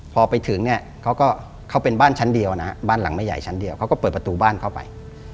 พอไปถึงเนี่ยเขาก็เขาเป็นบ้านชั้นเดียวนะฮะบ้านหลังไม่ใหญ่ชั้นเดียวเขาก็เปิดประตูบ้านเข้าไป